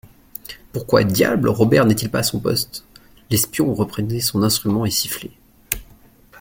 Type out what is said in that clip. Pourquoi, diable, Robert n'est-il pas à son poste ? L'espion reprenait son instrument et sifflait.